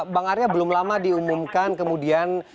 bang arya belum lama diumumkan kemudian